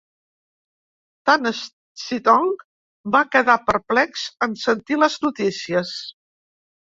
Tan Sitong va quedar perplex en sentir les notícies.